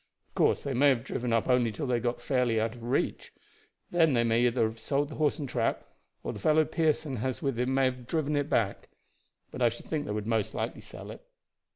Of course they may have driven only till they got fairly out of reach. Then they may either have sold the horse and trap, or the fellow Pearson has with him may have driven it back. But I should think they would most likely sell it.